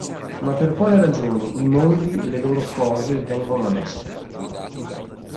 Ma per quale ragione i "mondi" e le loro "cose" vengono ad essere?